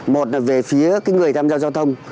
một là về phía người tham gia giao thông